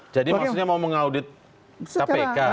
jadi maksudnya mau mengaudit kpk